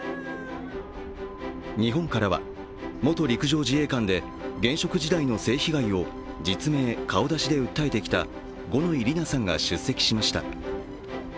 日本からは、元陸上自衛官で現職時代の性被害を実名・顔出しで訴えてきた五ノ井里奈さんが出席しました。